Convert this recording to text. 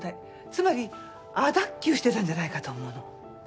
つまり亜脱臼してたんじゃないかと思うの。